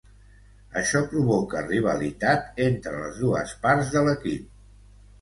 Això provoca rivalitat entre les dues parts de l'equip.